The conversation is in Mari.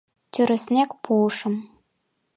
— Тӱрыснек пуышым.